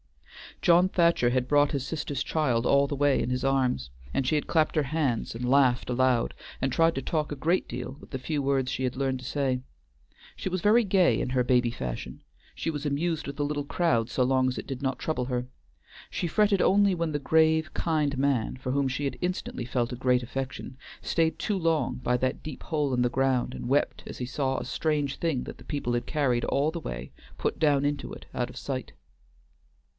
John Thacher had brought his sister's child all the way in his arms, and she had clapped her hands and laughed aloud and tried to talk a great deal with the few words she had learned to say. She was very gay in her baby fashion; she was amused with the little crowd so long as it did not trouble her. She fretted only when the grave, kind man, for whom she had instantly felt a great affection, stayed too long by that deep hole in the ground and wept as he saw a strange thing that the people had carried all the way, put down into it out of sight.